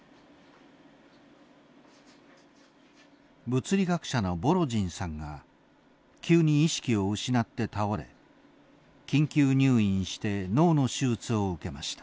物理学者のボロジンさんが急に意識を失って倒れ緊急入院して脳の手術を受けました。